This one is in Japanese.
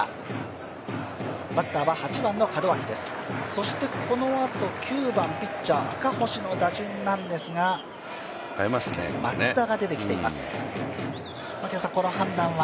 そしてこのあと９番、ピッチャー・赤星の打順なんですが、松田が出てきています。